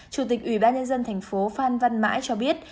chủ tịch ủy ban nhân dân thành phố phan văn mãi cho biết